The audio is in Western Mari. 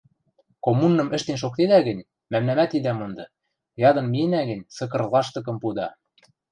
— Коммуным ӹштен шоктедӓ гӹнь, мӓмнӓмӓт идӓ монды: ядын миэнӓ гӹнь, сыкыр лаштыкым пуда!